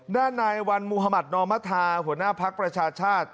แน่นายหวันมุธมัติหนอมทาหัวหน้าพักประชาชาติ